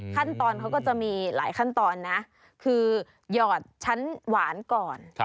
ขั้นตอนเขาก็จะมีหลายขั้นตอนนะคือหยอดชั้นหวานก่อน